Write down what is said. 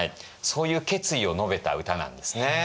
そういう決意を述べた歌なんですね。